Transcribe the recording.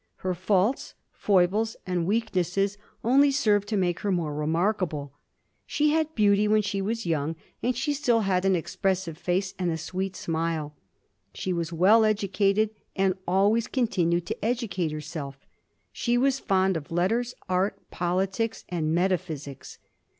Her faults, foibles, and weaknesses only served to make her more remarkable. She had beauty when she was young, and she stiU had an expressive face and a sweet smile. She was well educated, and al ways continued to educate herself ; she was fond of letters, art, politics, and metaphysics.